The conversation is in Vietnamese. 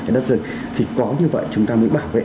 cái đất rừng thì có như vậy chúng ta mới bảo vệ